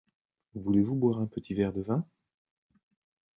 Voulez-vous boire un petit verre de vin ?